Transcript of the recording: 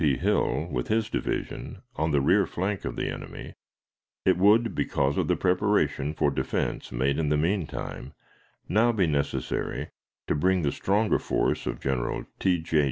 P. Hill, with his division, on the rear flank of the enemy, it would, because of the preparation for defense made in the mean time, now be necessary to bring the stronger force of General T. J.